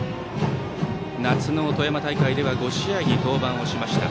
夏の富山大会では５試合に登板しました。